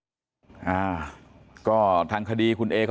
มันต้องการมาหาเรื่องมันจะมาแทงนะ